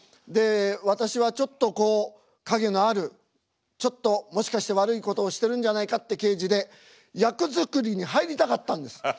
で私はちょっとこう陰のあるちょっともしかして悪いことをしてるんじゃないかって刑事で役作りに入りたかったんです。